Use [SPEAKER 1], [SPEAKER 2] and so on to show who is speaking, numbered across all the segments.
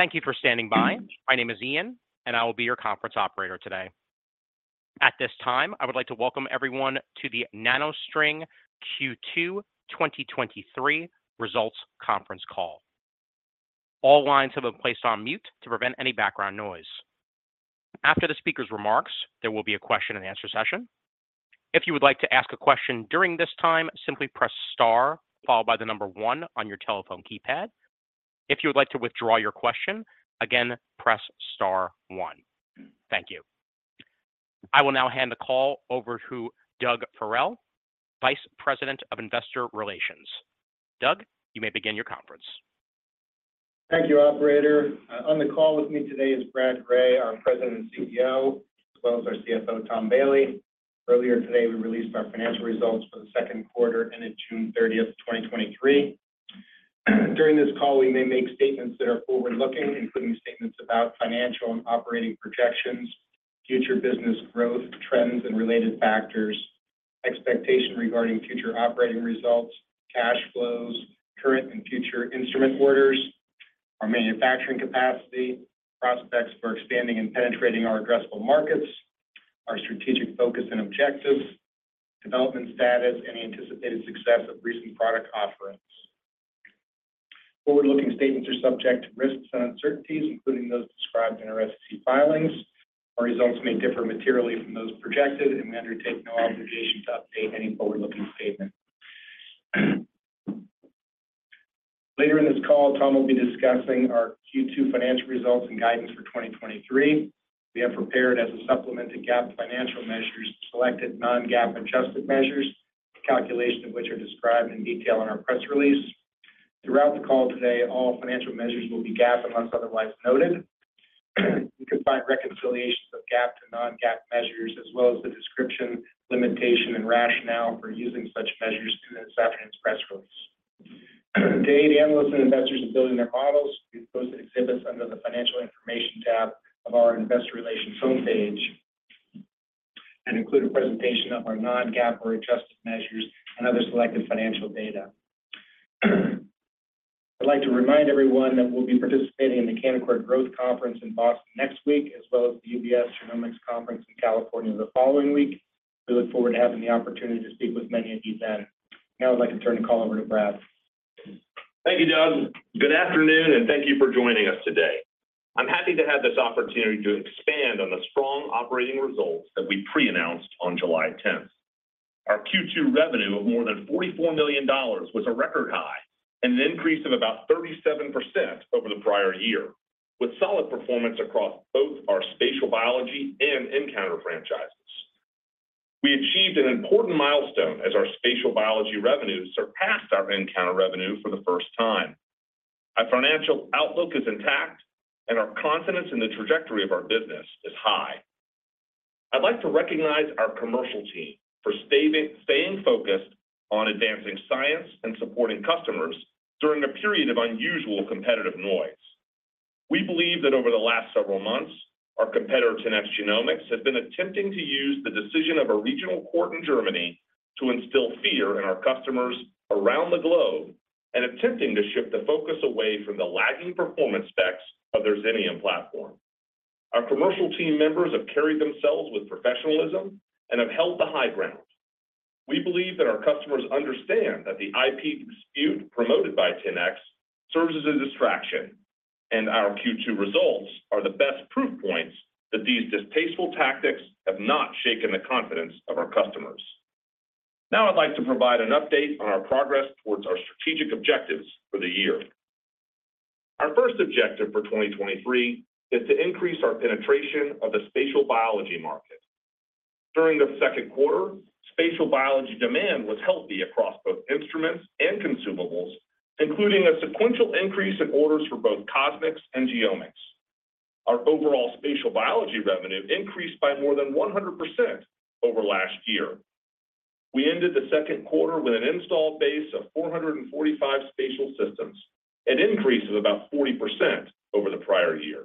[SPEAKER 1] Thank you for standing by. My name is Ian, and I will be your conference operator today. At this time, I would like to welcome everyone to the NanoString Q2 2023 Results Conference Call. All lines have been placed on mute to prevent any background noise. After the speaker's remarks, there will be a question and answer session. If you would like to ask a question during this time, simply press star followed by the number one on your telephone keypad. If you would like to withdraw your question, again, press star one. Thank you. I will now hand the call over to Doug Ferrell, Vice President of Investor Relations. Doug, you may begin your conference.
[SPEAKER 2] Thank you, operator. On the call with me today is Brad Gray, our President and CEO, as well as our CFO, Tom Bailey. Earlier today, we released our financial results for the second quarter, ending June 30th, 2023. During this call, we may make statements that are forward-looking, including statements about financial and operating projections, future business growth, trends, and related factors, expectation regarding future operating results, cash flows, current and future instrument orders, our manufacturing capacity, prospects for expanding and penetrating our addressable markets, our strategic focus and objectives, development status, and the anticipated success of recent product offerings. Forward-looking statements are subject to risks and uncertainties, including those described in our SEC filings. Our results may differ materially from those projected, and we undertake no obligation to update any forward-looking statements. Later in this call, Tom will be discussing our Q2 financial results and guidance for 2023. We have prepared as a supplement to GAAP financial measures, selected non-GAAP adjusted measures, the calculation of which are described in detail in our press release. Throughout the call today, all financial measures will be GAAP unless otherwise noted. You can find reconciliations of GAAP to non-GAAP measures, as well as the description, limitation, and rationale for using such measures in this afternoon's press release. Today, the analysts and investors are building their models. We've posted exhibits under the Financial Information tab of our Investor Relations homepage and include a presentation of our non-GAAP or adjusted measures and other selected financial data. I'd like to remind everyone that we'll be participating in the Canaccord Growth Conference in Boston next week, as well as the UBS Genomics Conference in California the following week. We look forward to having the opportunity to speak with many of you then. Now, I'd like to turn the call over to Brad.
[SPEAKER 3] Thank you, Doug. Good afternoon, and thank you for joining us today. I'm happy to have this opportunity to expand on the strong operating results that we pre-announced on July tenth. Our Q2 revenue of more than $44 million was a record high and an increase of about 37% over the prior year, with solid performance across both our spatial biology and nCounter franchises. We achieved an important milestone as our spatial biology revenue surpassed our nCounter revenue for the first time. Our financial outlook is intact, and our confidence in the trajectory of our business is high. I'd like to recognize our commercial team for staying focused on advancing science and supporting customers during a period of unusual competitive noise. We believe that over the last several months, our competitor, 10x Genomics, has been attempting to use the decision of a regional court in Germany to instill fear in our customers around the globe and attempting to shift the focus away from the lagging performance specs of their Xenium platform. Our commercial team members have carried themselves with professionalism and have held the high ground. We believe that our customers understand that the IP dispute promoted by 10x serves as a distraction. Our Q2 results are the best proof points that these distasteful tactics have not shaken the confidence of our customers. Now, I'd like to provide an update on our progress towards our strategic objectives for the year. Our first objective for 2023 is to increase our penetration of the spatial biology market. During the second quarter, spatial biology demand was healthy across both instruments and consumables, including a sequential increase in orders for both CosMx and GeoMx. Our overall spatial biology revenue increased by more than 100% over last year. We ended the second quarter with an installed base of 445 spatial systems, an increase of about 40% over the prior year.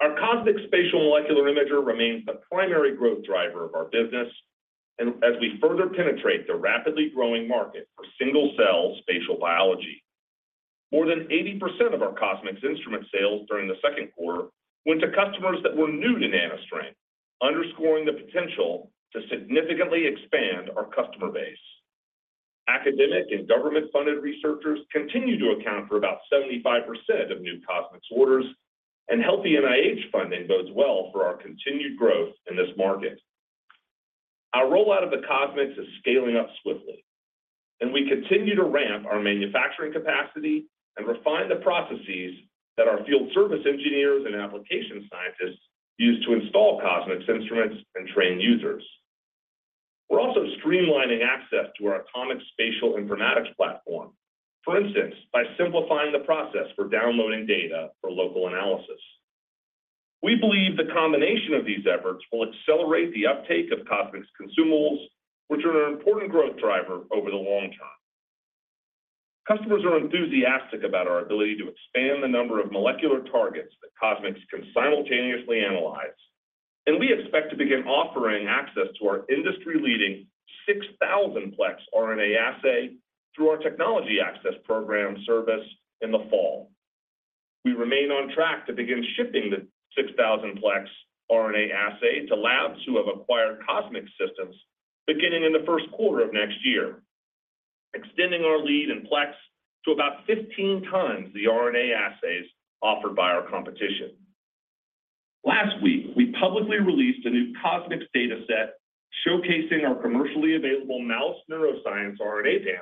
[SPEAKER 3] Our CosMx Spatial Molecular Imager remains the primary growth driver of our business, and as we further penetrate the rapidly growing market for single-cell spatial biology, more than 80% of our CosMx instrument sales during the second quarter went to customers that were new to NanoString, underscoring the potential to significantly expand our customer base. Academic and government-funded researchers continue to account for about 75% of new CosMx orders. Healthy NIH funding bodes well for our continued growth in this market. Our rollout of the CosMx is scaling up swiftly, and we continue to ramp our manufacturing capacity and refine the processes that our field service engineers and application scientists use to install CosMx instruments and train users. We're also streamlining access to our CosMx Spatial Informatics platform, for instance, by simplifying the process for downloading data for local analysis. We believe the combination of these efforts will accelerate the uptake of CosMx consumables, which are an important growth driver over the long term. Customers are enthusiastic about our ability to expand the number of molecular targets that CosMx can simultaneously analyze. We expect to begin offering access to our industry-leading 6,000 plex RNA assay through our Technology Access Program service in the fall. We remain on track to begin shipping the 6,000 plex RNA assay to labs who have acquired CosMx systems, beginning in the first quarter of next year, extending our lead in plex to about 15x the RNA assays offered by our competition. Last week, we publicly released a new CosMx data set showcasing our commercially available CosMx Mouse Neuroscience Panel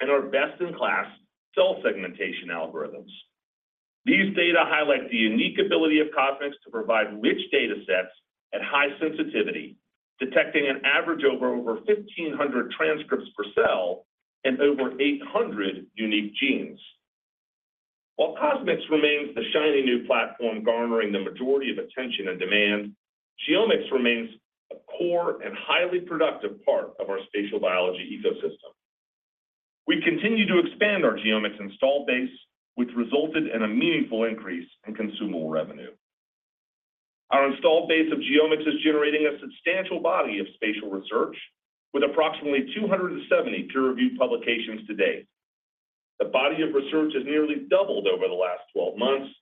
[SPEAKER 3] and our best-in-class cell segmentation algorithms. These data highlight the unique ability of CosMx to provide rich datasets at high sensitivity, detecting on average over 1,500 transcripts per cell and over 800 unique genes. While CosMx remains the shiny new platform garnering the majority of attention and demand, GeoMx remains a core and highly productive part of our spatial biology ecosystem. We continue to expand our GeoMx installed base, which resulted in a meaningful increase in consumable revenue. Our installed base of GeoMx is generating a substantial body of spatial research with approximately 270 peer-reviewed publications to date. The body of research has nearly doubled over the last 12 months,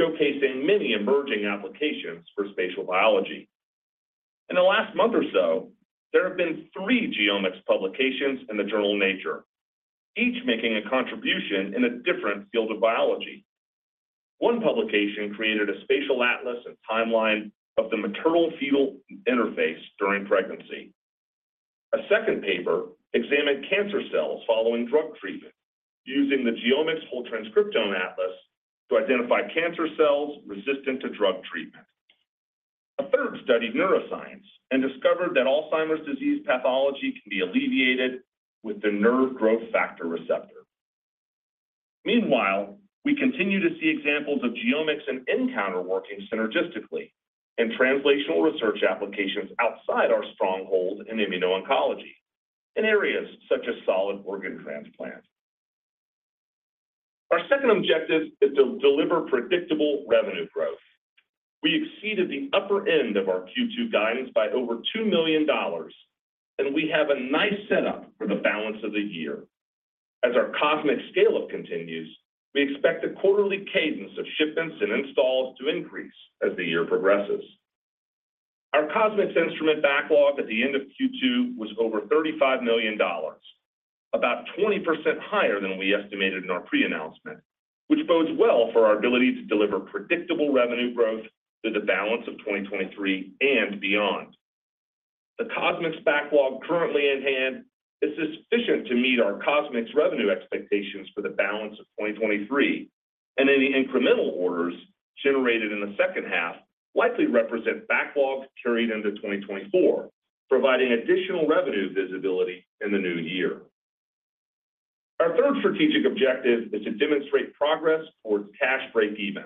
[SPEAKER 3] showcasing many emerging applications for spatial biology. In the last month or so, there have been three GeoMx publications in the journal Nature, each making a contribution in a different field of biology. One publication created a spatial atlas and timeline of the maternal fetal interface during pregnancy. A second paper examined cancer cells following drug treatment, using the GeoMx Whole Transcriptome Atlas to identify cancer cells resistant to drug treatment. A third studied neuroscience and discovered that Alzheimer's disease pathology can be alleviated with the nerve growth factor receptor. Meanwhile, we continue to see examples of GeoMx and nCounter working synergistically in translational research applications outside our stronghold in immuno-oncology, in areas such as solid organ transplant. Our second objective is to deliver predictable revenue growth. We exceeded the upper end of our Q2 guidance by over $2 million, and we have a nice setup for the balance of the year. As our CosMx scale-up continues, we expect a quarterly cadence of shipments and installs to increase as the year progresses. Our CosMx instrument backlog at the end of Q2 was over $35 million, about 20% higher than we estimated in our pre-announcement, which bodes well for our ability to deliver predictable revenue growth through the balance of 2023 and beyond. The CosMx backlog currently in hand is sufficient to meet our CosMx revenue expectations for the balance of 2023, and any incremental orders generated in the second half likely represent backlogs carried into 2024, providing additional revenue visibility in the new year. Our third strategic objective is to demonstrate progress towards cash break even.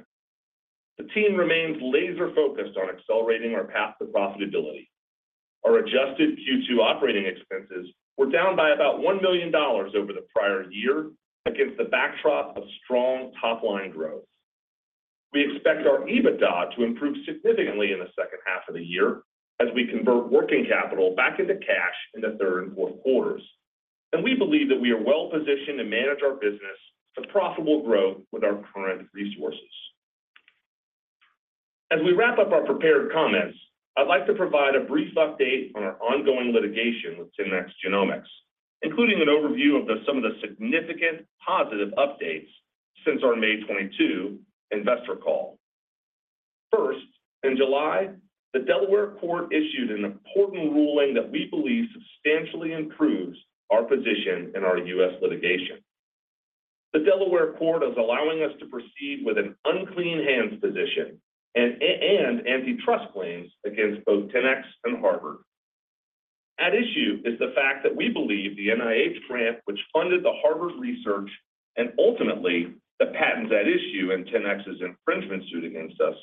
[SPEAKER 3] The team remains laser-focused on accelerating our path to profitability. Our adjusted Q2 operating expenses were down by about $1 million over the prior year against the backdrop of strong top-line growth. We expect our EBITDA to improve significantly in the second half of the year as we convert working capital back into cash in the third and fourth quarters, and we believe that we are well positioned to manage our business to profitable growth with our current resources. As we wrap up our prepared comments, I'd like to provide a brief update on our ongoing litigation with 10x Genomics, including an overview of some of the significant positive updates since our May 22 investor call. First, in July, the Delaware Court issued an important ruling that we believe substantially improves our position in our U.S. litigation. The Delaware Court is allowing us to proceed with an unclean hands position and antitrust claims against both 10x and Harvard. At issue is the fact that we believe the NIH grant, which funded the Harvard research and ultimately the patents at issue in 10x's infringement suit against us,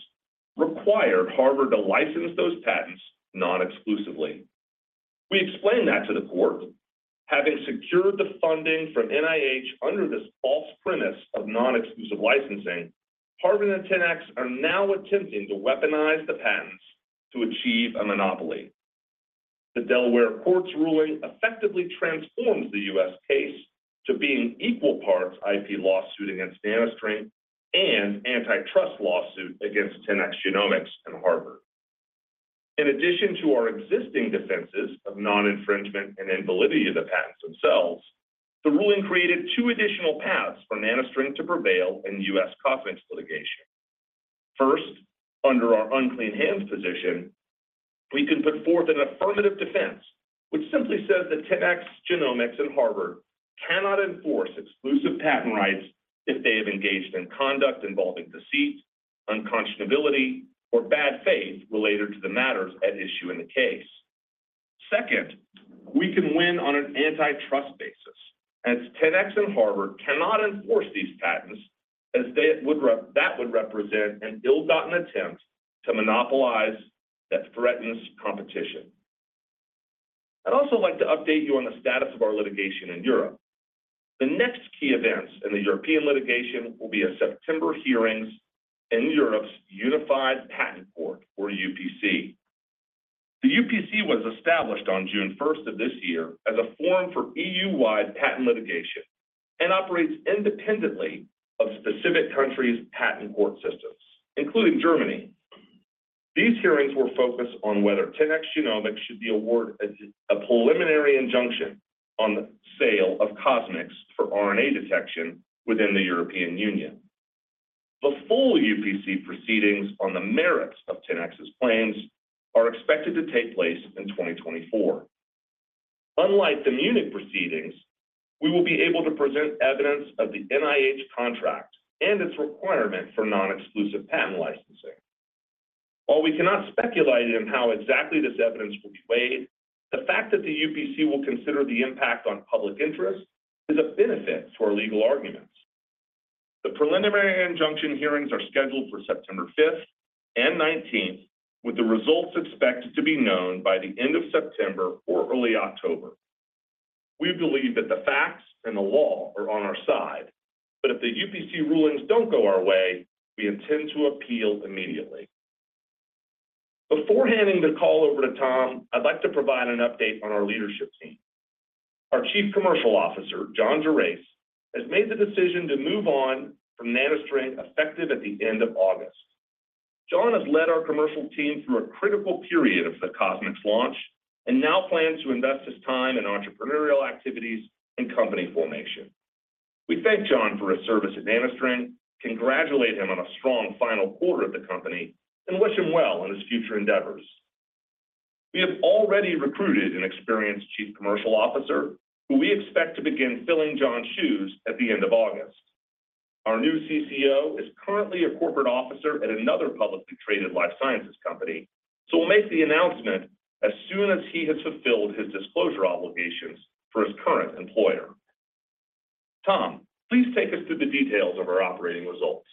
[SPEAKER 3] required Harvard to license those patents non-exclusively. We explained that to the court, having secured the funding from NIH under this false premise of non-exclusive licensing, Harvard and 10x are now attempting to weaponize the patents to achieve a monopoly. The Delaware Court's ruling effectively transforms the U.S. case to being equal parts IP lawsuit against NanoString and antitrust lawsuit against 10x Genomics and Harvard. In addition to our existing defenses of non-infringement and invalidity of the patents themselves, the ruling created two additional paths for NanoString to prevail in U.S. CosMx litigation. First, under our unclean hands position, we can put forth an affirmative defense, which simply says that 10x Genomics and Harvard cannot enforce exclusive patent rights if they have engaged in conduct involving deceit, unconscionability, or bad faith related to the matters at issue in the case. Second, we can win on an antitrust basis, as 10x and Harvard cannot enforce these patents, as they would that would represent an ill-gotten attempt to monopolize that threatens competition. I'd also like to update you on the status of our litigation in Europe. The next key events in the European litigation will be a September hearings in Europe's Unified Patent Court or UPC. The UPC was established on June first of this year as a forum for EU-wide patent litigation, and operates independently of specific countries' patent court systems, including Germany. These hearings were focused on whether 10x Genomics should be awarded a preliminary injunction on the sale of CosMx for RNA detection within the European Union. The full UPC proceedings on the merits of 10x's claims are expected to take place in 2024. Unlike the Munich proceedings, we will be able to present evidence of the NIH contract and its requirement for non-exclusive patent licensing. While we cannot speculate on how exactly this evidence will be weighed, the fact that the UPC will consider the impact on public interest is a benefit for our legal arguments. The preliminary injunction hearings are scheduled for September fifth and nineteenth, with the results expected to be known by the end of September or early October. We believe that the facts and the law are on our side. If the UPC rulings don't go our way, we intend to appeal immediately. Before handing the call over to Tom, I'd like to provide an update on our leadership team. Our Chief Commercial Officer, John Gerace, has made the decision to move on from NanoString, effective at the end of August. John has led our commercial team through a critical period of the CosMx launch, and now plans to invest his time in entrepreneurial activities and company formation. We thank John for his service at NanoString, congratulate him on a strong final quarter at the company, and wish him well in his future endeavors. We have already recruited an experienced Chief Commercial Officer, who we expect to begin filling John's shoes at the end of August. Our new CCO is currently a corporate officer at another publicly traded life sciences company. We'll make the announcement as soon as he has fulfilled his disclosure obligations for his current employer. Tom, please take us through the details of our operating results.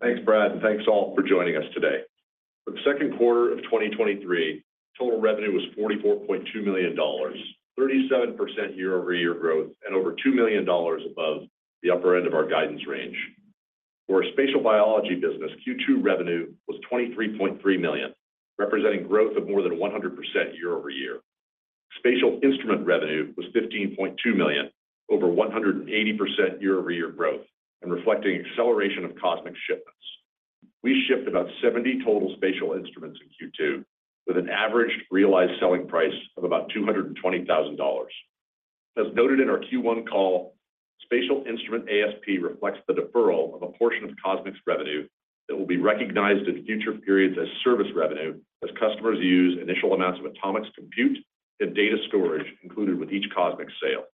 [SPEAKER 4] Thanks, Brad, and thanks all for joining us today. For the second quarter of 2023, total revenue was $44.2 million, 37% year-over-year growth, and over $2 million above the upper end of our guidance range. For our spatial biology business, Q2 revenue was $23.3 million, representing growth of more than 100% year-over-year. Spatial instrument revenue was $15.2 million, over 180% year-over-year growth, and reflecting acceleration of CosMx shipments. We shipped about 70 total spatial instruments in Q2, with an average realized selling price of about $220,000. As noted in our Q1 call, spatial instrument ASP reflects the deferral of a portion of CosMx revenue that will be recognized in future periods as service revenue, as customers use initial amounts of AtoMx compute and data storage included with each CosMx sale.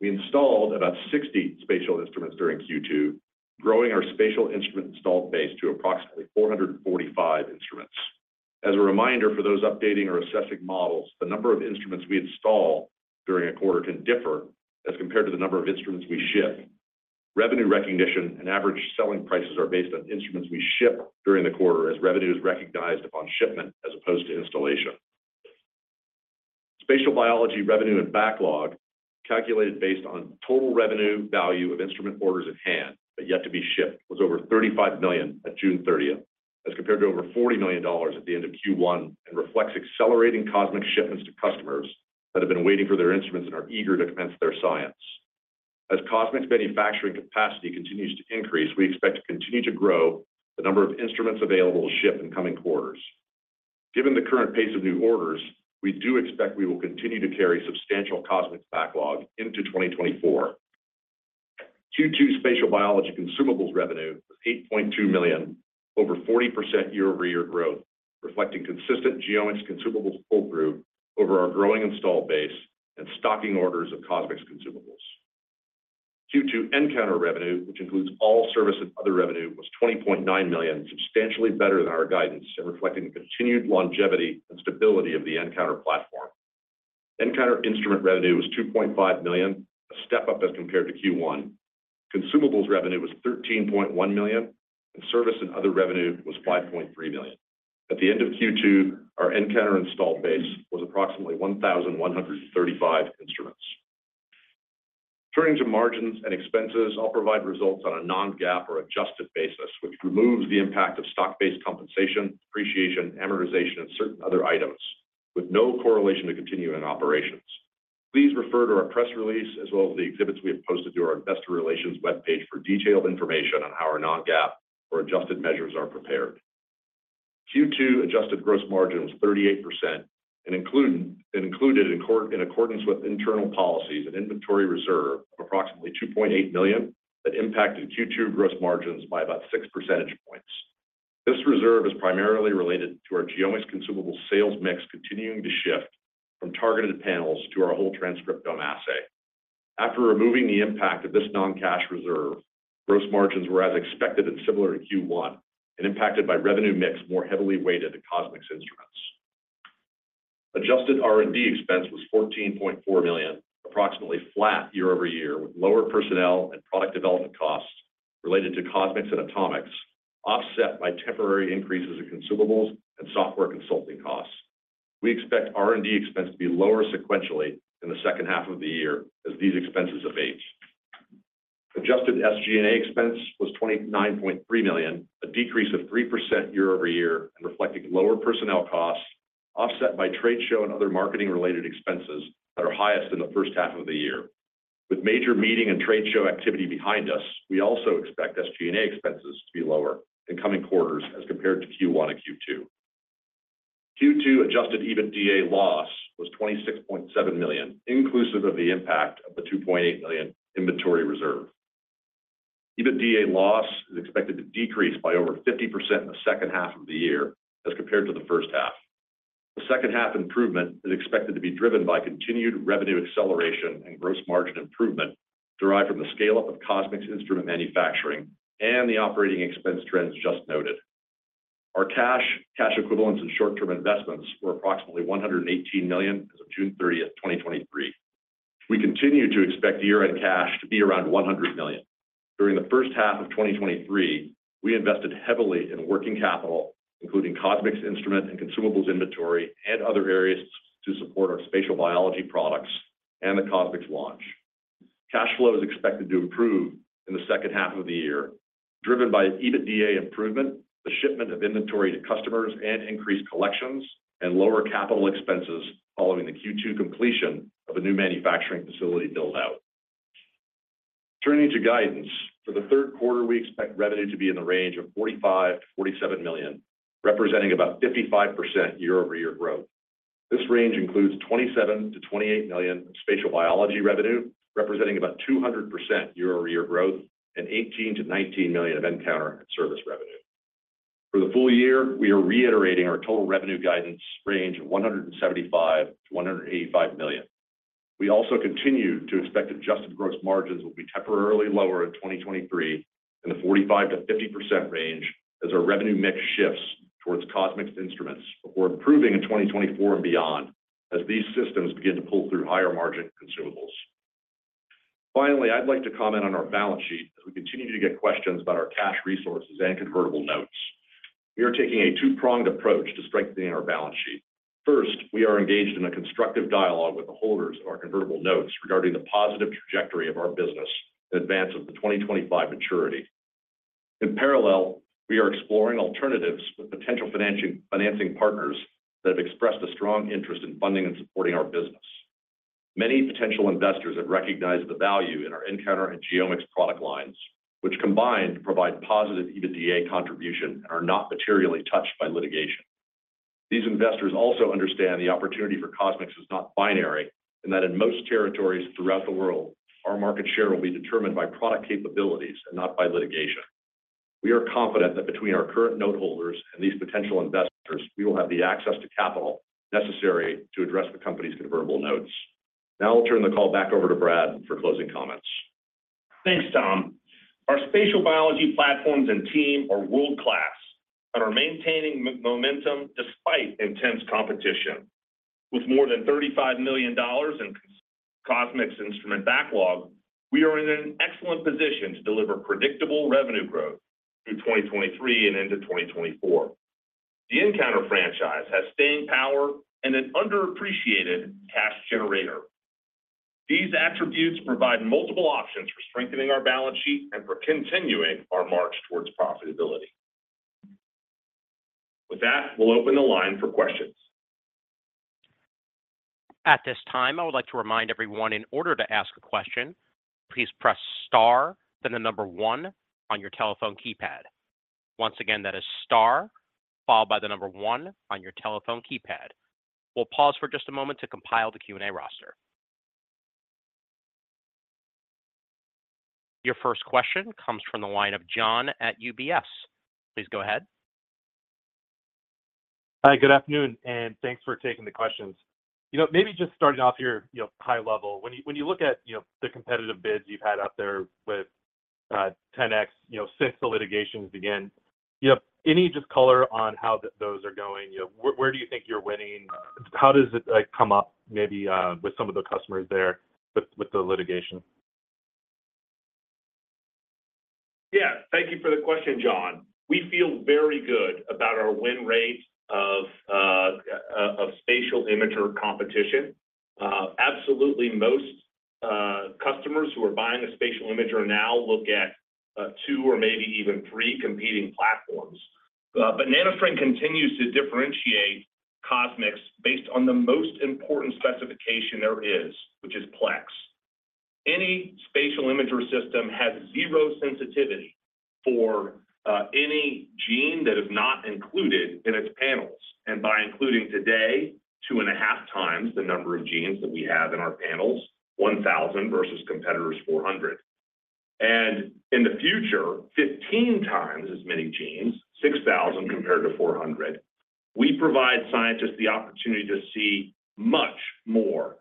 [SPEAKER 4] We installed about 60 spatial instruments during Q2, growing our spatial instrument installed base to approximately 445 instruments. As a reminder for those updating or assessing models, the number of instruments we install during a quarter can differ as compared to the number of instruments we ship. Revenue recognition and average selling prices are based on instruments we ship during the quarter, as revenue is recognized upon shipment as opposed to installation. Spatial biology revenue and backlog, calculated based on total revenue value of instrument orders at hand, but yet to be shipped, was over $35 million at June 30th, as compared to over $40 million at the end of Q1, and reflects accelerating CosMx shipments to customers that have been waiting for their instruments and are eager to commence their science. As CosMx manufacturing capacity continues to increase, we expect to continue to grow the number of instruments available to ship in coming quarters. Given the current pace of new orders, we do expect we will continue to carry substantial CosMx backlog into 2024. Q2 spatial biology consumables revenue was $8.2 million, over 40% year-over-year growth, reflecting consistent GeoMx consumables pull-through over our growing installed base and stocking orders of CosMx consumables. Q2 nCounter revenue, which includes all service and other revenue, was $20.9 million, substantially better than our guidance and reflecting the continued longevity and stability of the nCounter platform. nCounter instrument revenue was $2.5 million, a step up as compared to Q1. Consumables revenue was $13.1 million, and service and other revenue was $5.3 million. At the end of Q2, our nCounter installed base was approximately 1,135 instruments. Turning to margins and expenses, I'll provide results on a non-GAAP or adjusted basis, which removes the impact of stock-based compensation, depreciation, amortization, and certain other items, with no correlation to continuing operations. Please refer to our press release, as well as the exhibits we have posted to our investor relations webpage for detailed information on how our non-GAAP or adjusted measures are prepared. Q2 adjusted gross margin was 38% and included in court, in accordance with internal policies, an inventory reserve of approximately $2.8 million that impacted Q2 gross margins by about 6 percentage points. This reserve is primarily related to our GeoMx consumable sales mix continuing to shift from targeted panels to our whole transcriptome assay. After removing the impact of this non-cash reserve, gross margins were as expected and similar to Q1 and impacted by revenue mix more heavily weighted to CosMx instruments. Adjusted R&D expense was $14.4 million, approximately flat year-over-year, with lower personnel and product development costs related to CosMx and AtoMx, offset by temporary increases in consumables and software consulting costs. We expect R&D expense to be lower sequentially in the second half of the year as these expenses abate. Adjusted SG&A expense was $29.3 million, a decrease of 3% year-over-year and reflecting lower personnel costs, offset by trade show and other marketing-related expenses that are highest in the first half of the year. With major meeting and trade show activity behind us, we also expect SG&A expenses to be lower in coming quarters as compared to Q1 and Q2. Q2 Adjusted EBITDA loss was $26.7 million, inclusive of the impact of the $2.8 million inventory reserve. EBITDA loss is expected to decrease by over 50% in the second half of the year as compared to the first half. The second half improvement is expected to be driven by continued revenue acceleration and gross margin improvement, derived from the scale-up of CosMx instrument manufacturing and the operating expense trends just noted. Our cash, cash equivalents and short-term investments were approximately $118 million as of June 30th, 2023. We continue to expect year-end cash to be around $100 million. During the first half of 2023, we invested heavily in working capital, including CosMx instrument and consumables inventory, and other areas to support our spatial biology products and the CosMx launch. Cash flow is expected to improve in the second half of the year, driven by EBITDA improvement, the shipment of inventory to customers and increased collections, and lower capital expenses following the Q2 completion of a new manufacturing facility build-out. Turning to guidance, for the third quarter, we expect revenue to be in the range of $45 million-$47 million, representing about 55% year-over-year growth. This range includes $27 million-$28 million spatial biology revenue, representing about 200% year-over-year growth and $18 million-$19 million of nCounter and service revenue. For the full year, we are reiterating our total revenue guidance range of $175 million-$185 million. We also continue to expect adjusted gross margins will be temporarily lower in 2023 in the 45%-50% range as our revenue mix shifts towards CosMx instruments before improving in 2024 and beyond, as these systems begin to pull through higher-margin consumables. Finally, I'd like to comment on our balance sheet, as we continue to get questions about our cash resources and convertible notes. We are taking a two-pronged approach to strengthening our balance sheet. First, we are engaged in a constructive dialogue with the holders of our convertible notes regarding the positive trajectory of our business in advance of the 2025 maturity. In parallel, we are exploring alternatives with potential financing, financing partners that have expressed a strong interest in funding and supporting our business. Many potential investors have recognized the value in our nCounter and GeoMx product lines, which combined provide positive EBITDA contribution and are not materially touched by litigation. These investors also understand the opportunity for CosMx is not binary, and that in most territories throughout the world, our market share will be determined by product capabilities and not by litigation. We are confident that between our current note holders and these potential investors, we will have the access to capital necessary to address the company's convertible notes. Now I'll turn the call back over to Brad for closing comments.
[SPEAKER 3] Thanks, Tom. Our spatial biology platforms and team are world-class and are maintaining momentum despite intense competition. With more than $35 million in CosMx instrument backlog, we are in an excellent position to deliver predictable revenue growth through 2023 and into 2024. The nCounter franchise has staying power and an underappreciated cash generator. These attributes provide multiple options for strengthening our balance sheet and for continuing our march towards profitability. With that, we'll open the line for questions.
[SPEAKER 1] At this time, I would like to remind everyone in order to ask a question, please press star, then 1 on your telephone keypad. Once again, that is star, followed by 1 on your telephone keypad. We'll pause for just a moment to compile the Q&A roster. Your first question comes from the line of John at UBS. Please go ahead.
[SPEAKER 5] Hi, good afternoon. Thanks for taking the questions. You know, maybe just starting off here, you know, high level, when you, when you look at, you know, the competitive bids you've had out there with 10x, you know, since the litigations began, you know, any just color on how those are going? You know, where, where do you think you're winning? How does it, like, come up, maybe, with some of the customers there with, with the litigation?
[SPEAKER 3] Thank you for the question, John. We feel very good about our win rates of spatial imager competition. Absolutely most customers who are buying a spatial imager now look at 2 or maybe even 3 competing platforms. NanoString continues to differentiate CosMx based on the most important specification there is, which is plex. Any spatial imager system has 0 sensitivity for any gene that is not included in its panels, and by including today, 2.5x the number of genes that we have in our panels, 1,000 versus competitors' 400. In the future, 15x as many genes, 6,000 compared to 400. We provide scientists the opportunity to see much more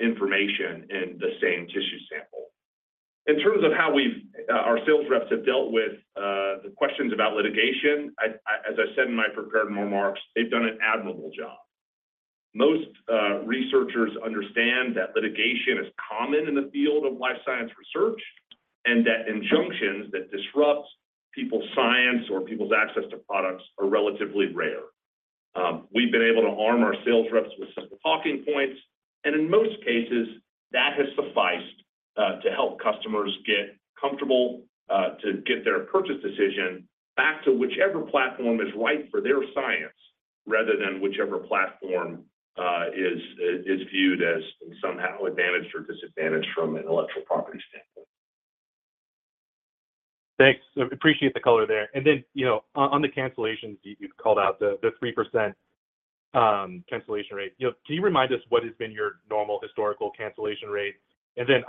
[SPEAKER 3] information in the same tissue sample. In terms of how our sales reps have dealt with the questions about litigation, I, as I said in my prepared remarks, they've done an admirable job. Most researchers understand that litigation is common in the field of life science research, and that injunctions that disrupt people's science or people's access to products are relatively rare. We've been able to arm our sales reps with simple talking points, and in most cases, that has sufficed to help customers get comfortable, to get their purchase decision back to whichever platform is right for their science, rather than whichever platform is viewed as somehow advantaged or disadvantaged from an intellectual property standpoint.
[SPEAKER 5] Thanks. I appreciate the color there. You know, on, on the cancellations, you, you've called out the, the 3% cancellation rate. You know, can you remind us what has been your normal historical cancellation rate?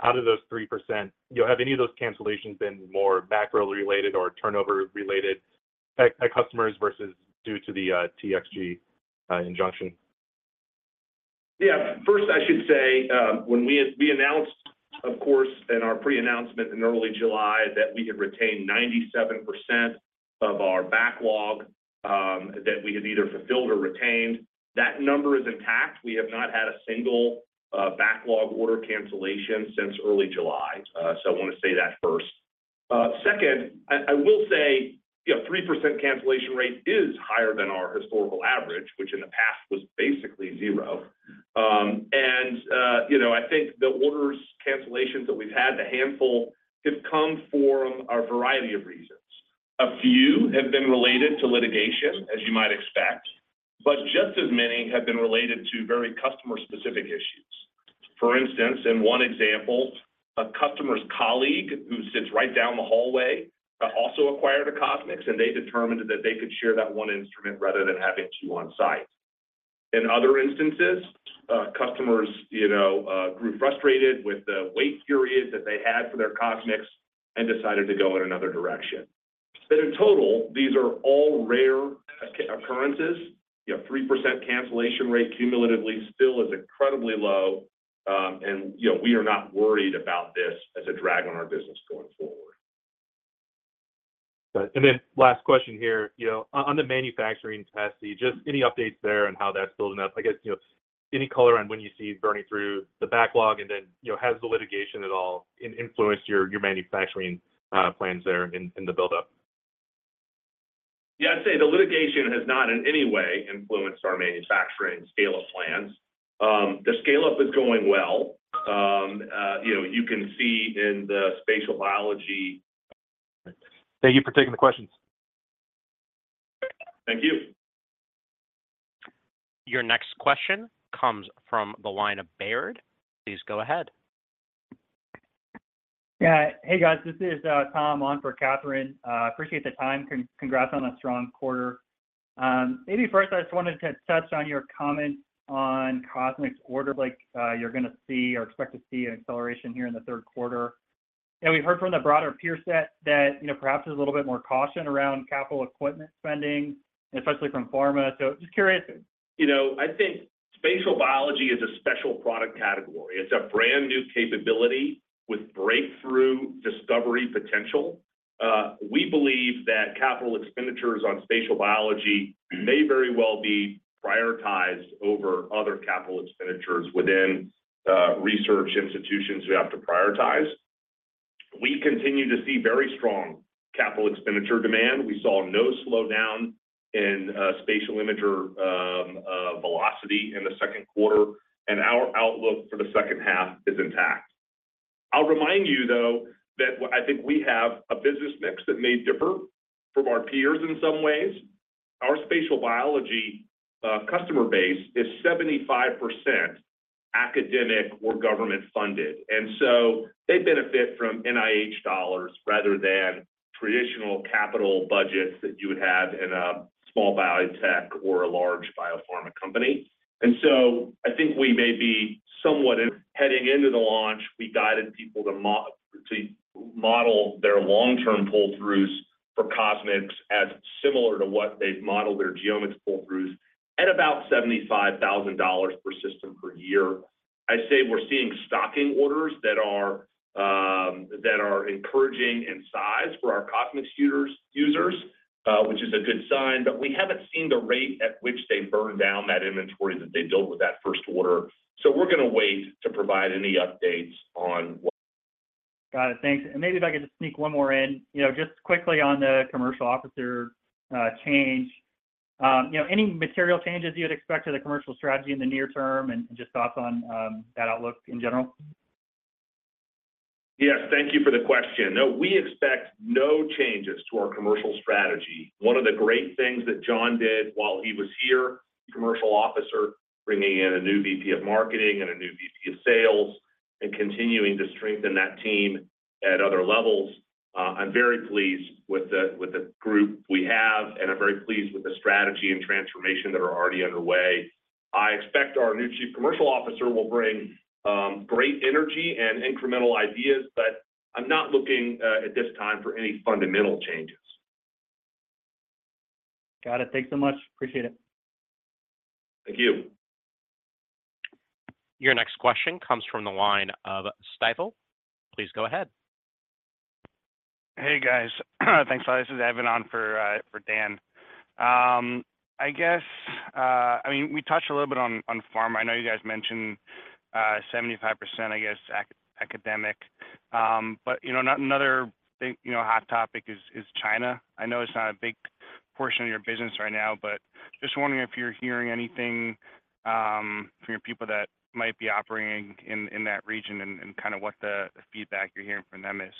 [SPEAKER 5] Out of those 3%, you know, have any of those cancellations been more backorder related or turnover related by, by customers versus due to the TXG injunction?
[SPEAKER 3] Yeah. First, I should say, when we, we announced, of course, in our pre-announcement in early July, that we had retained 97% of our backlog that we had either fulfilled or retained. That number is intact. We have not had a single backlog order cancellation since early July. I want to say that first. Second, I, I will say, you know, 3% cancellation rate is higher than our historical average, which in the past was basically zero. And, you know, I think the orders cancellations that we've had, the handful, have come from a variety of reasons. A few have been related to litigation, as you might expect, but just as many have been related to very customer-specific issues. For instance, in one example, a customer's colleague who sits right down the hallway, also acquired a CosMx, and they determined that they could share that one instrument rather than having two on site. In other instances, customers, you know, grew frustrated with the wait period that they had for their CosMx and decided to go in another direction. In total, these are all rare occurrences. You know, 3% cancellation rate cumulatively still is incredibly low, and, you know, we are not worried about this as a drag on our business going forward.
[SPEAKER 5] Got it. Last question here. You know, on the manufacturing capacity, just any updates there on how that's building up? I guess, you know, any color on when you see burning through the backlog, and then, you know, has the litigation at all influenced your manufacturing plans there in the buildup?
[SPEAKER 3] Yeah, I'd say the litigation has not in any way influenced our manufacturing scale-up plans. The scale-up is going well. You know, you can see in the spatial biology-
[SPEAKER 5] Thank you for taking the questions.
[SPEAKER 3] Thank you.
[SPEAKER 1] Your next question comes from the line of Baird. Please go ahead.
[SPEAKER 6] Yeah. Hey, guys, this is Tom on for Catherine. Appreciate the time. Congrats on a strong quarter. Maybe first, I just wanted to touch on your comment on CosMx order, like, you're going to see or expect to see an acceleration here in the third quarter. We heard from the broader peer set that, you know, perhaps there's a little bit more caution around capital equipment spending, especially from pharma. Just curious.
[SPEAKER 3] You know, I think spatial biology is a special product category. It's a brand-new capability with breakthrough discovery potential. We believe that capital expenditures on spatial biology may very well be prioritized over other capital expenditures within research institutions who have to prioritize. We continue to see very strong capital expenditure demand. We saw no slowdown in spatial imager velocity in the second quarter, and our outlook for the second half is intact. I'll remind you, though, that I think we have a business mix that may differ from our peers in some ways. Our spatial biology customer base is 75% academic or government-funded, and so they benefit from NIH dollars rather than traditional capital budgets that you would have in a small biotech or a large biopharma company. So I think we may be somewhat in... Heading into the launch, we guided people to model their long-term pull-throughs for CosMx as similar to what they've modeled their GeoMx pull-throughs at about $75,000 per system per year. I'd say we're seeing stocking orders that are encouraging in size for our CosMx users, which is a good sign, but we haven't seen the rate at which they burn down that inventory that they built with that first order. We're going to wait to provide any updates on what.
[SPEAKER 6] Got it. Thanks. Maybe if I could just sneak one more in. You know, just quickly on the commercial officer, change, you know, any material changes you'd expect to the commercial strategy in the near term, and just thoughts on that outlook in general?
[SPEAKER 3] Yes. Thank you for the question. No, we expect no changes to our commercial strategy. One of the great things that John did while he was here, Chief Commercial Officer, bringing in a new VP of Marketing and a new VP of Sales, and continuing to strengthen that team at other levels. I'm very pleased with the group we have, and I'm very pleased with the strategy and transformation that are already underway. I expect our new Chief Commercial Officer will bring great energy and incremental ideas, but I'm not looking at this time for any fundamental changes.
[SPEAKER 6] Got it. Thank you so much. Appreciate it.
[SPEAKER 3] Thank you.
[SPEAKER 1] Your next question comes from the line of Stifel. Please go ahead.
[SPEAKER 7] ...Hey, guys. Thanks a lot. This is Evan on for Dan. I guess, I mean, we touched a little bit on, on pharma. I know you guys mentioned 75%, I guess, ac- academic, but, you know, not another thing, you know, hot topic is China. I know it's not a big portion of your business right now, but just wondering if you're hearing anything from your people that might be operating in, in that region and, and kind of what the, the feedback you're hearing from them is?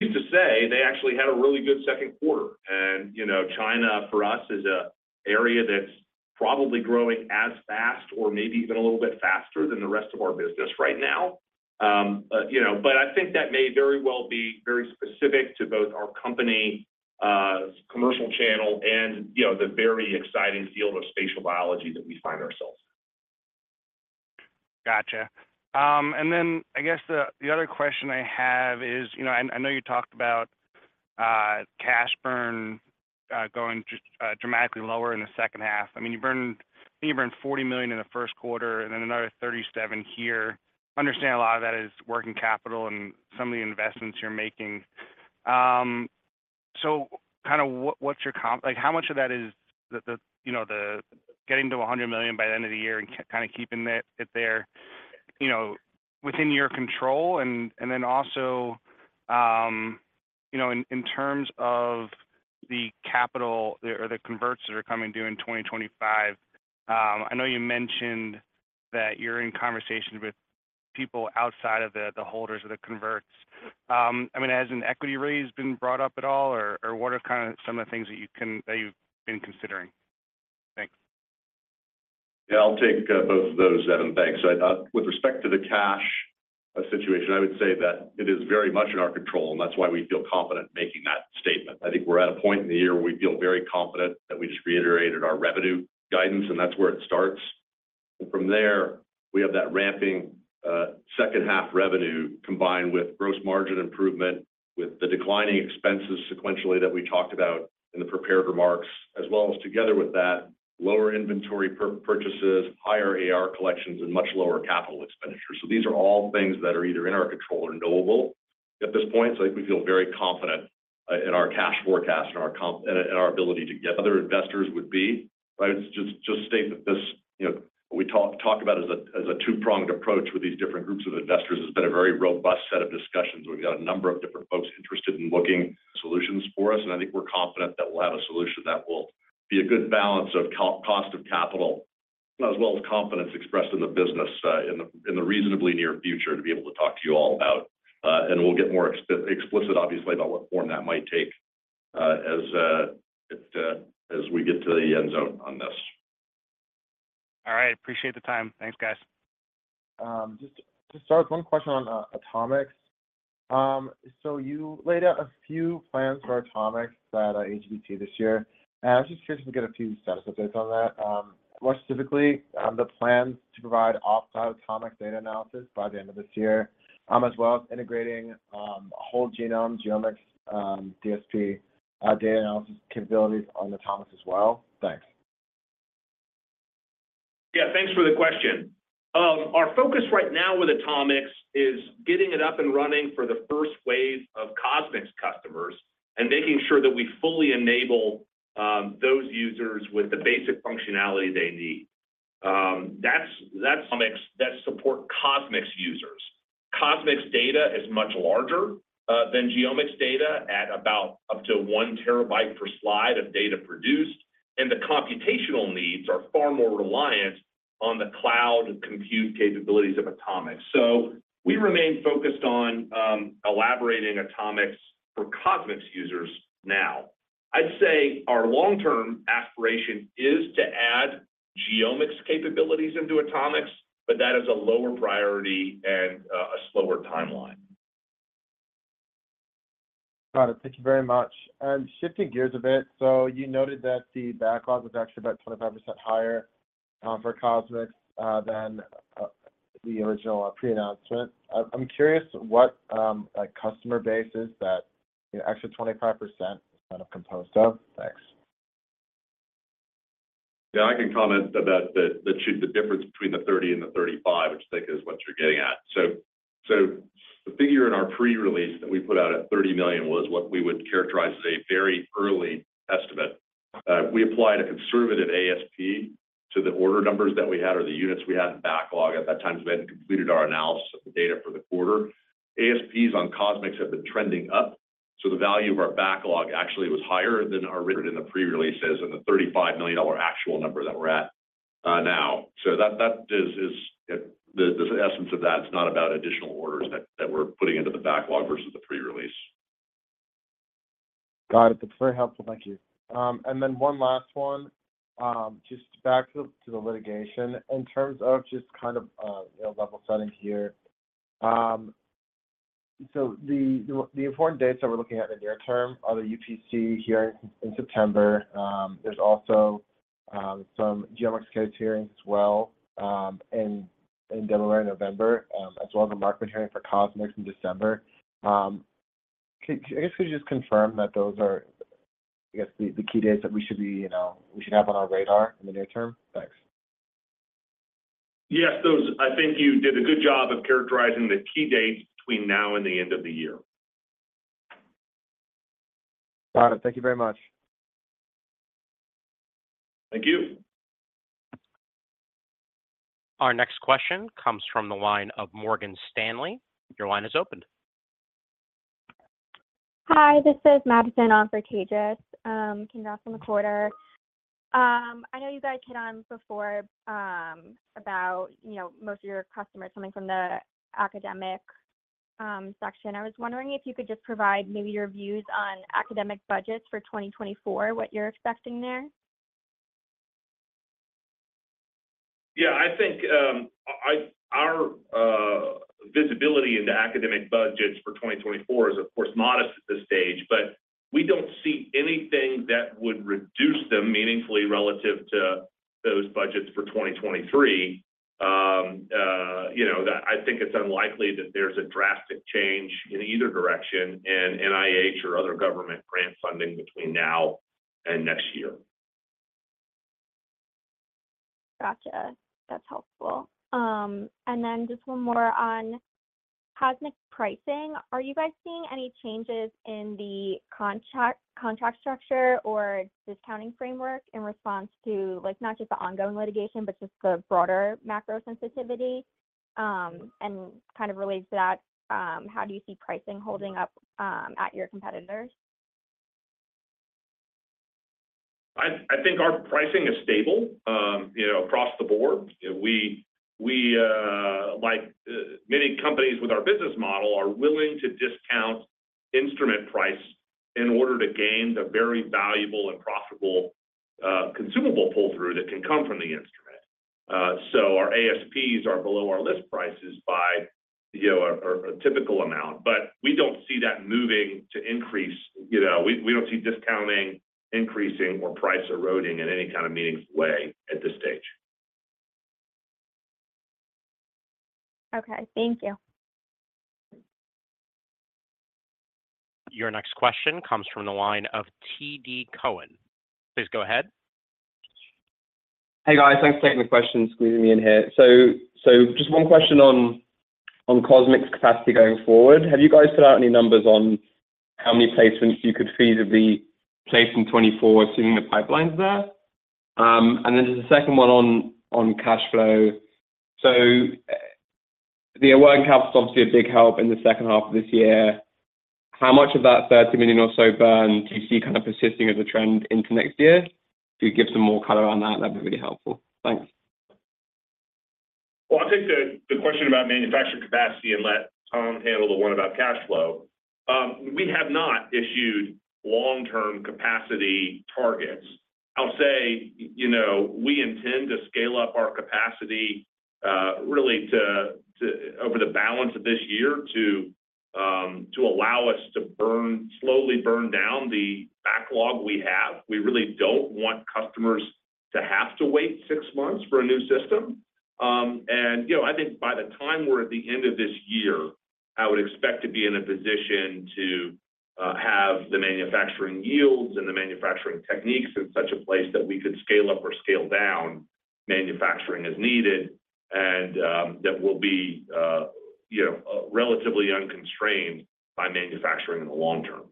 [SPEAKER 4] Needless to say, they actually had a really good second quarter, and, you know, China, for us, is a area that's probably growing as fast or maybe even a little bit faster than the rest of our business right now. You know, but I think that may very well be very specific to both our company, commercial channel and, you know, the very exciting field of spatial biology that we find ourselves in.
[SPEAKER 7] Gotcha. Then I guess the, the other question I have is, you know, and I know you talked about cash burn going dramatically lower in the second half. I mean, you burned, I think you burned $40 million in the first quarter and then another $37 million here. Understand a lot of that is working capital and some of the investments you're making. Kind of what, what's your like, how much of that is the, the, you know, the getting to a $100 million by the end of the year and kind of keeping it, it there, you know, within your control? and then also, you know, in, in terms of the capital or the converts that are coming due in 2025, I know you mentioned that you're in conversations with people outside of the, the holders of the converts. I mean, has an equity raise been brought up at all? or what are kind of some of the things that you've been considering? Thanks.
[SPEAKER 4] Yeah, I'll take both of those, Evan. Thanks. With respect to the cash situation, I would say that it is very much in our control, and that's why we feel confident making that statement. I think we're at a point in the year where we feel very confident that we just reiterated our revenue guidance, and that's where it starts. From there, we have that ramping second-half revenue combined with gross margin improvement, with the declining expenses sequentially that we talked about in the prepared remarks, as well as together with that, lower inventory purchases, higher AR collections, and much lower capital expenditures. These are all things that are either in our control or knowable at this point. I think we feel very confident in our cash forecast and our ability to get other investors would be. I would just, just state that this, you know, we talk about as a two-pronged approach with these different groups of investors, has been a very robust set of discussions. We've got a number of different folks interested in looking solutions for us, and I think we're confident that we'll have a solution that will be a good balance of cost of capital, as well as confidence expressed in the business, in the reasonably near future, to be able to talk to you all about. And we'll get more explicit, obviously, about what form that might take, as we get to the end zone on this.
[SPEAKER 7] All right. Appreciate the time. Thanks, guys.
[SPEAKER 8] Just to start, one question on AtoMx. So you laid out a few plans for AtoMx at AGBT this year, I was just curious if we could get a few status updates on that. More specifically, the plans to provide off-cloud AtoMx data analysis by the end of this year, as well as integrating, whole genome Genomics, DSP, data analysis capabilities on AtoMx as well. Thanks.
[SPEAKER 3] Yeah, thanks for the question. Our focus right now with AtoMx is getting it up and running for the first wave of CosMx customers and making sure that we fully enable those users with the basic functionality they need. That's, that's AtoMx that support CosMx users. CosMx data is much larger than Genomics data, at about up to 1 terabyte per slide of data produced, and the computational needs are far more reliant on the cloud compute capabilities of AtoMx. We remain focused on elaborating AtoMx for CosMx users now. I'd say our long-term aspiration is to add Genomics capabilities into AtoMx, that is a lower priority and a slower timeline.
[SPEAKER 8] Got it. Thank you very much. Shifting gears a bit. You noted that the backlog was actually about 25% higher, for CosMx than the original pre-announcement. I'm curious what customer base is that an extra 25% kind of composed of? Thanks.
[SPEAKER 4] Yeah, I can comment about the difference between the 30 and the 35, which I think is what you're getting at. The figure in our pre-release that we put out at $30 million was what we would characterize as a very early estimate. We applied a conservative ASP to the order numbers that we had or the units we had in backlog at that time, as we hadn't completed our analysis of the data for the quarter. ASPs on CosMx have been trending up, so the value of our backlog actually was higher than our written in the pre-releases and the $35 million actual number that we're at now. That is the essence of that. It's not about additional orders that we're putting into the backlog versus the pre-release.
[SPEAKER 8] Got it. That's very helpful. Thank you. Then one last one. Just back to the litigation. In terms of just kind of, you know, level setting here. The important dates that we're looking at in the near term are the UPC hearing in September. There's also 10x Genomics case hearings as well, in Delaware in November, as well as a Markman hearing for CosMx in December. I guess could you just confirm that those are, I guess, the key dates that we should be, you know, we should have on our radar in the near term? Thanks.
[SPEAKER 3] Yes, those, I think you did a good job of characterizing the key dates between now and the end of the year.
[SPEAKER 8] Got it. Thank you very much.
[SPEAKER 3] Thank you.
[SPEAKER 1] Our next question comes from the line of Morgan Stanley. Your line is opened.
[SPEAKER 9] Hi, this is Madison on for Tejas from the quarter. I know you guys hit on before, about, you know, most of your customers coming from the academic section. I was wondering if you could just provide maybe your views on academic budgets for 2024, what you're expecting there?
[SPEAKER 4] Yeah, I think, our visibility into academic budgets for 2024 is, of course, modest at this stage, but we don't see anything that would reduce them meaningfully relative to those budgets for 2023. You know, that I think it's unlikely that there's a drastic change in either direction in NIH or other government grant funding between now and next year.
[SPEAKER 9] Gotcha. That's helpful. Then just one more on CosMx pricing. Are you guys seeing any changes in the contract, contract structure or discounting framework in response to, like, not just the ongoing litigation, but just the broader macro sensitivity? Kind of related to that, how do you see pricing holding up, at your competitors?
[SPEAKER 4] I, I think our pricing is stable, you know, across the board. We, we, like, many companies with our business model, are willing to discount instrument price in order to gain the very valuable and profitable, consumable pull-through that can come from the instrument. Our ASPs are below our list prices by, you know, a typical amount, but we don't see that moving to increase. You know, we, we don't see discounting, increasing, or price eroding in any kind of meaningful way at this stage.
[SPEAKER 9] Okay, thank you.
[SPEAKER 1] Your next question comes from the line of TD Cowen. Please go ahead.
[SPEAKER 10] Hey, guys. Thanks for taking the question, squeezing me in here. Just 1 question on CosMx's capacity going forward. Have you guys put out any numbers on how many placements you could feasibly place in 2024, seeing the pipelines there? Then just a second 1 on cash flow. The working capital is obviously a big help in the second half of this year. How much of that $30 million or so burn do you see kind of persisting as a trend into next year? If you give some more color on that, that'd be really helpful. Thanks.
[SPEAKER 3] Well, I'll take the, the question about manufacturing capacity and let Tom handle the one about cash flow. We have not issued long-term capacity targets. I'll say, you know, we intend to scale up our capacity, really to, to, over the balance of this year, to allow us to burn, slowly burn down the backlog we have. We really don't want customers to have to wait six months for a new system. You know, I think by the time we're at the end of this year, I would expect to be in a position to have the manufacturing yields and the manufacturing techniques in such a place that we could scale up or scale down manufacturing as needed, that will be, you know, relatively unconstrained by manufacturing in the long term.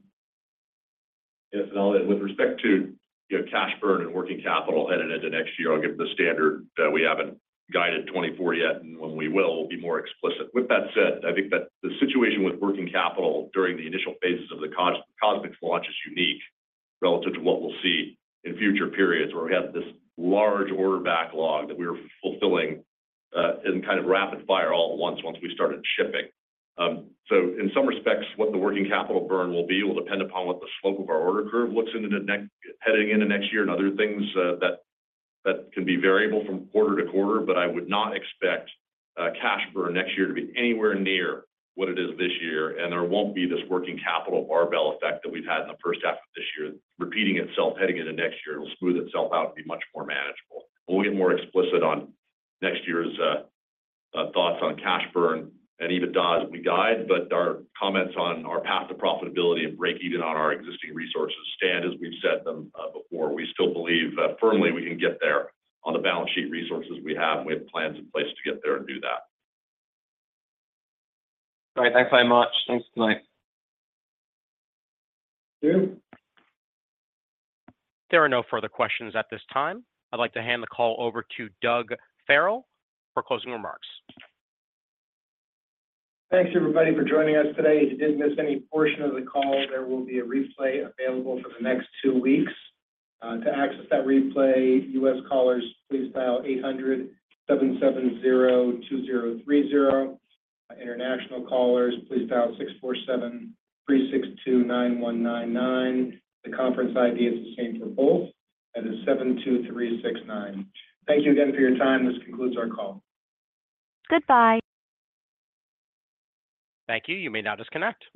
[SPEAKER 4] Yes, and with respect to, you know, cash burn and working capital headed into next year, I'll give the standard that we haven't guided 2024 yet, and when we will, we'll be more explicit. With that said, I think that the situation with working capital during the initial phases of the CosMx launch is unique relative to what we'll see in future periods, where we have this large order backlog that we are fulfilling in kind of rapid fire all at once, once we started shipping. So in some respects, what the working capital burn will be will depend upon what the slope of our order curve looks heading into next year and other things that, that can be variable from quarter to quarter. I would not expect cash burn next year to be anywhere near what it is this year, and there won't be this working capital barbell effect that we've had in the first half of this year, repeating itself, heading into next year. It will smooth itself out and be much more manageable. We'll get more explicit on next year's thoughts on cash burn and EBITDA as we guide, but our comments on our path to profitability and break even on our existing resources stand as we've said them before. We still believe firmly we can get there on the balance sheet resources we have, and we have plans in place to get there and do that.
[SPEAKER 10] Great. Thanks very much. Thanks tonight.
[SPEAKER 1] There are no further questions at this time. I'd like to hand the call over to Doug Ferrell for closing remarks.
[SPEAKER 2] Thanks, everybody, for joining us today. If you did miss any portion of the call, there will be a replay available for the next two weeks. To access that replay, U.S. callers, please dial 800-770-2030. International callers, please dial 647-362-9199. The conference ID is the same for both, and it's 72369. Thank you again for your time. This concludes our call.
[SPEAKER 1] Goodbye. Thank you. You may now disconnect.